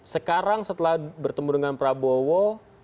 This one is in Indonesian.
sekarang setelah bertemu dengan prabowo